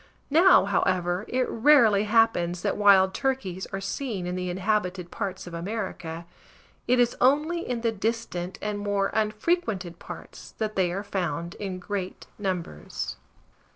Now, however, it rarely happens that wild turkeys are seen in the inhabited parts of America. It is only in the distant and more unfrequented parts that they are found in great numbers.